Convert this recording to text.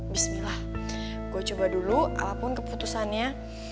bismillah gue coba dulu apapun keputusannya